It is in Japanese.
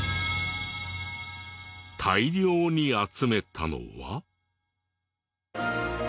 大量に集めたのは。